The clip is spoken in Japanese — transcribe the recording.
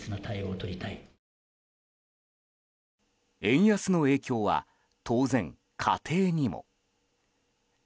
円安の影響は当然、家庭にも。